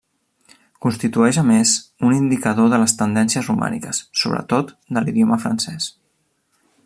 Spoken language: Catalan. Constitueix, a més, un indicador de les tendències romàniques, sobretot de l'idioma francès.